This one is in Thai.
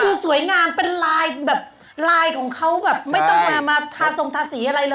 คือสวยงามเป็นลายแบบลายของเขาแบบไม่ต้องมามาทาทรงทาสีอะไรเลย